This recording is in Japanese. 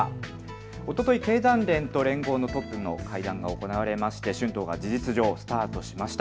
おととい経団連と連合のトップの会談が行われまして春闘が事実上スタートしました。